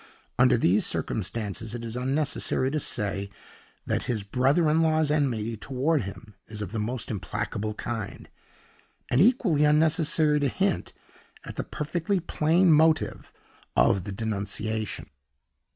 Under these circumstances, it is unnecessary to say that his brother in law's enmity toward him is of the most implacable kind, and equally unnecessary to hint at the perfectly plain motive of the denunciation.